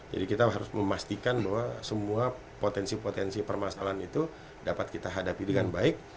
jadi kita harus memastikan bahwa semua potensi potensi permasalahan itu dapat kita hadapi dengan baik